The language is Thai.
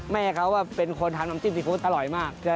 แม่เขาเป็นคนทำน้ำจิ้มซีฟู้ดอร่อยมาก